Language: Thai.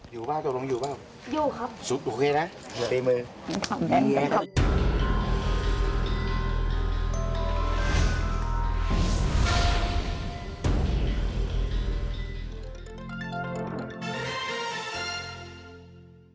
อยู่บ้างตกลงอยู่บ้างหรือเปล่าสุดโอเคนะใส่มืออยู่ครับ